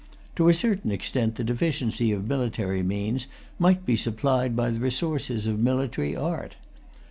To a certain extent the deficiency of military means might be supplied by the resources of military art.